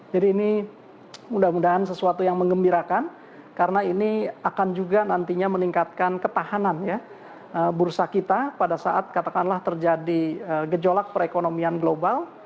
jadi ini mudah mudahan sesuatu yang mengembirakan karena ini akan juga nantinya meningkatkan ketahanan ya bursa kita pada saat katakanlah terjadi gejolak perekonomian global